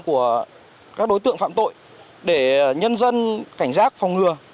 của các đối tượng phạm tội để nhân dân cảnh giác phòng ngừa